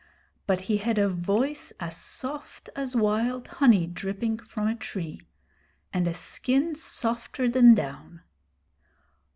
But he had a voice as soft as wild honey dripping from a tree, and a skin softer than down.